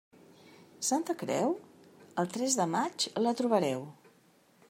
Santa Creu?, el tres de maig la trobareu.